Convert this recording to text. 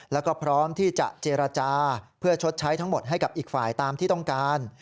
แล้วก็พร้อมที่จะเจรจาเพื่อชดใช้ทั้งหมดให้กับอีกฝ่ายตามที่ต้องการ